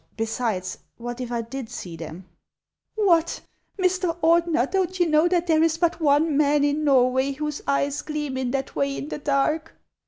Besides, what if I did see them I "" What ! Mr. Ordener, don't you know that there is but one man in Norway whose eyes gleam iu that way in the dark